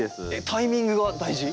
タイミングが大事？